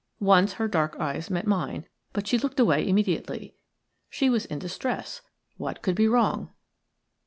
Once her dark eyes met mine, but she looked away immediately, She was in distress. What could be wrong?